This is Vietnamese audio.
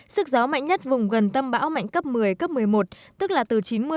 sức gió mạnh nhất vùng gần tâm bão mạnh cấp một mươi cấp một mươi một